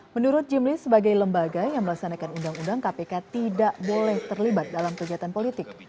menurut jimli sebagai lembaga yang melaksanakan undang undang kpk tidak boleh terlibat dalam kegiatan politik